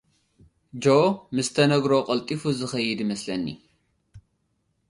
ጆ ምስ ተነግሮ ቐልጢፉ ዝኸይድ ይመስለኒ።